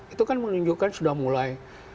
itu kan menunjukkan sudah mulai